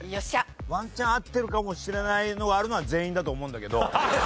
ワンチャン合ってるかもしれないのがあるのは全員だと思うんだけど。